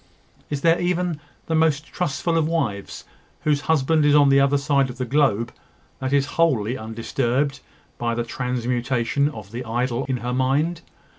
Is there even the most trustful of wives, whose husband is on the other side of the globe, that is wholly undisturbed by the transmutation of the idol in her mind?